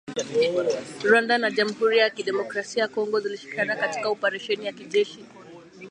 Rwanda na Jamhuri ya kidemokrasia ya Congo zilishirikiana katika oparesheni ya kijeshi